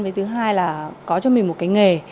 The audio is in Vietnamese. với thứ hai là có cho mình một cái nghề